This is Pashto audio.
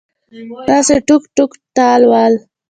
داسې ټوک ټوک تال ول